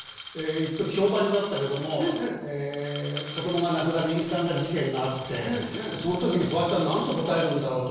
いっとき評判になったけども子供が亡くなる陰惨な事件があってその時に「フワちゃん何て答えるんだろう？」と。